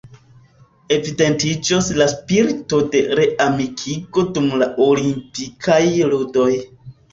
Evidentiĝos la spirito de reamikigo dum la Olimpikaj Ludoj.